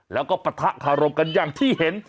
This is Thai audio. แล้วก็ปะทะคารมกันอย่างที่เห็น